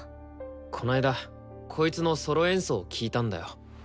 この間こいつのソロ演奏を聴いたんだよ。